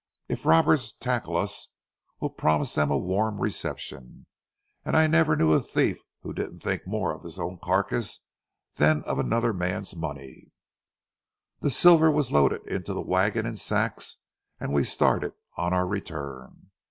If robbers tackle us, we'll promise them a warm reception—and I never knew a thief who didn't think more of his own carcass than of another man's money." The silver was loaded into the wagon in sacks, and we started on our return.